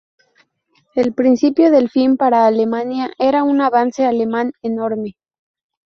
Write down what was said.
El principio del fin para Alemania era un avance alemán enorme.